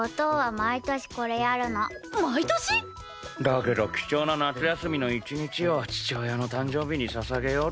だけど貴重な夏休みの１日を父親の誕生日に捧げようとは。